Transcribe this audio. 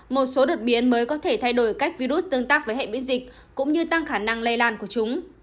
một số đột biến mới có thể thay đổi cách virus tương tác với hệ biến dịch cũng như tăng khả năng lây lan của chúng